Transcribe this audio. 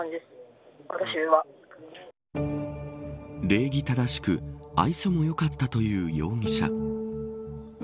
礼儀正しく愛想もよかったという容疑者。